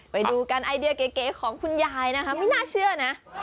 ไปดูกันไอเดียเก๋ของคุณยายนะคะไม่น่าเชื่อนะ